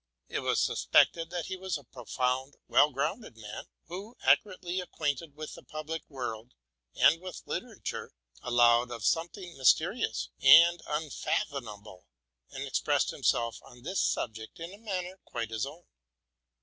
It was suspected that he was a profound, well grounded man, who, accurately acquainted with the public world and with literature, allowed of some thing mysterious and unfathomable, and expressed himself RELATING TO MY LIFE. 105 on this subject in a manner quite his own.